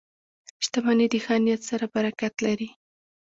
• شتمني د ښه نیت سره برکت لري.